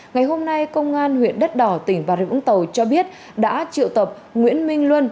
ngày hôm nay công an huyện đất đỏ tỉnh bà rịa vũng tàu cho biết đã triệu tập nguyễn minh luân